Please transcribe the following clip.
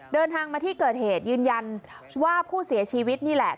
เดินทางมาที่เกิดเหตุยืนยันว่าผู้เสียชีวิตนี่แหละ